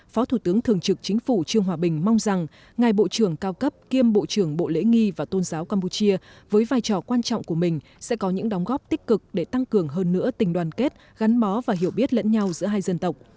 phó thủ tướng thường trực chính phủ trương hòa bình mong rằng ngài bộ trưởng cao cấp kiêm bộ trưởng bộ lễ nghi và tôn giáo campuchia với vai trò quan trọng của mình sẽ có những đóng góp tích cực để tăng cường hơn nữa tình đoàn kết gắn bó và hiểu biết lẫn nhau giữa hai dân tộc